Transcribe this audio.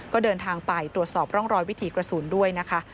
ก็เดินทางไปตรวจสอบร่องรอยวิถีกระสุนด้วยนะคะ